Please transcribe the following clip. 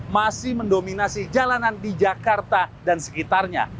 masih mendominasi jalanan di jakarta dan sekitarnya